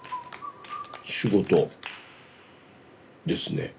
仕事ですね。